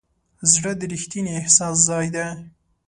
زړه د ریښتیني احساس ځای دی.